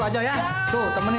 kalau terus begini